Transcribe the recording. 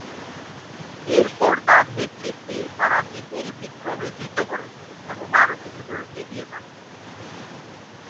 এরপর তার নেতৃত্বে তারা বিপুল বিক্রমে যুদ্ধ করেন এবং আরও কিছুদূর এগিয়ে যান।